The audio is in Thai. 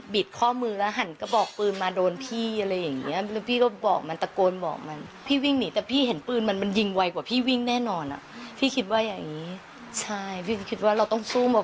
บีดข้อมือแล้วหั่นกระบอกปืนมาโดนพี่อะไรอย่างเงี้ยพี่ก็